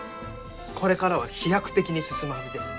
これからは飛躍的に進むはずです。